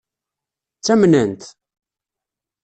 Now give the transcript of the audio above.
Ttamnen-t?